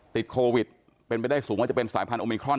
ติดโควิดีเป็นไปสูงมากเป็นสายพันธุกรมโมมิคลอน